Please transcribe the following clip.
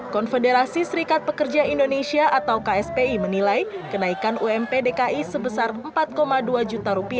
konfederasi serikat pekerja indonesia atau kspi menilai kenaikan ump dki sebesar rp empat dua juta